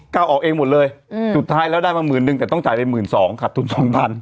ก้าวออกเองหมดเลยสุดท้ายแล้วได้มา๑๑๐๐๐บาทแต่ต้องจ่ายไป๑๒๐๐๐บาทขัดทุน๒๐๐๐บาท